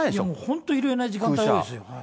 本当に拾えない時間帯多いですよ。